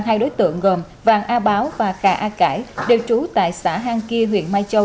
hai đối tượng gồm vàng a báo và cà a cải đều trú tại xã hang kia huyện mai châu